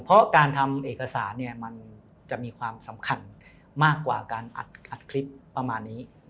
เพราะการทำเอกสารเนี่ยมันจะมีความสำคัญมากกว่าการอัดคลิปประมาณนี้